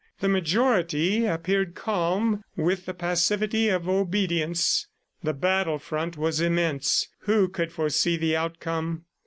The majority appeared calm, with the passivity of obedience. The battle front was immense; who could foresee the outcome?